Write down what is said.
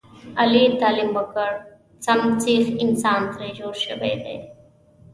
علي تعلیم وکړ سم سیخ انسان ترې جوړ شوی دی.